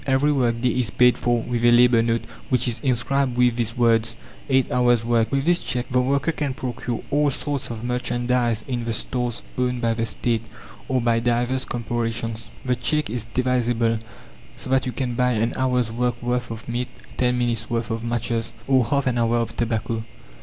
Every work day is paid for with a labour note, which is inscribed with these words: Eight hours' work. With this cheque the worker can procure all sorts of merchandise in the stores owned by the State or by divers corporations. The cheque is divisible, so that you can buy an hour's work worth of meat, ten minutes' worth of matches, or half an hour of tobacco.